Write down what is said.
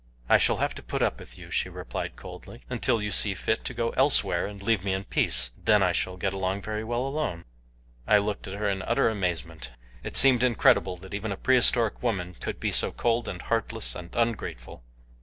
"I shall have to put up with you," she replied coldly, "until you see fit to go elsewhere and leave me in peace, then I shall get along very well alone." I looked at her in utter amazement. It seemed incredible that even a prehistoric woman could be so cold and heartless and ungrateful.